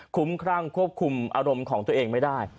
คุ้มครั่งควบคุมอารมณ์ของตัวเองไม่ได้